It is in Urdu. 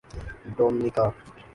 ڈومنیکا